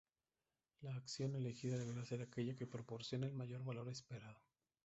La acción elegida deberá ser aquella que proporcione el mayor valor esperado.